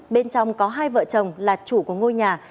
bên trong có hai vợ chồng là chủ của ngôi nhà